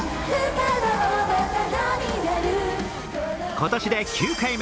今年で９回目。